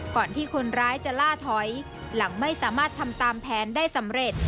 ก่อนที่คนร้ายจะล่าถอยหลังไม่สามารถทำตามแผนได้สำเร็จ